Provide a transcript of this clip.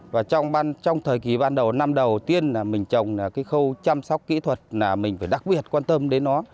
và trong thời kỳ ban đầu năm đầu tiên là mình trồng cái khâu chăm sóc kỹ thuật là mình phải đặc biệt quan tâm đến nó